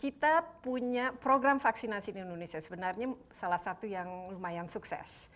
kita pada bulan tahun ini kita sudah melakukan program vaksinasi di indonesia sebenarnya salah satu yang lumayan sukses